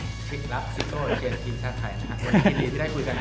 รักซิสโก้เชียร์ทีมชาติไทยนะครับ